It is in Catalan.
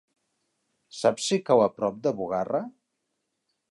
Saps si cau a prop de Bugarra?